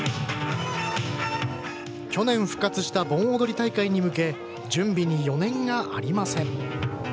去年復活した盆踊り大会に向け準備に余念がありません。